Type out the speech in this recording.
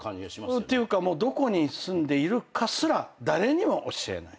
ていうかもうどこに住んでいるかすら誰にも教えない。